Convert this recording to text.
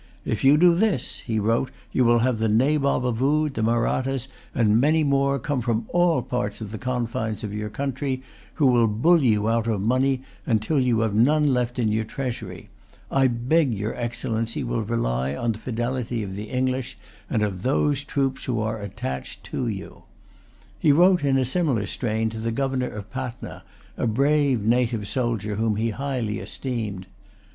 "If you do this," he wrote, "you will have the Nabob of Oude, the Mahrattas, and many more, come from all parts of the confines of your country, who will bully you out of money till you have none left in your treasury. I beg your Excellency will rely on the fidelity of the English, and of those troops which are attached to you." He wrote in a similar strain to the governor of Patna, a brave native soldier whom he highly esteemed.